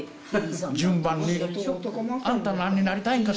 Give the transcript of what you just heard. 順番に「あんた何になりたいんか？